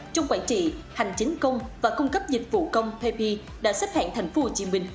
trong quản trị hành chính công và cung cấp dịch vụ công pepi đã xếp hẹn thành phố hồ chí minh